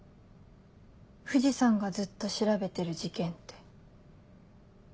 藤さんがずっと調べてる事件って。